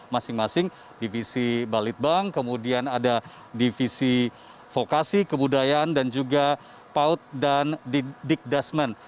masing masing divisi balitbank kemudian ada divisi vokasi kebudayaan dan juga paut dan digdasmen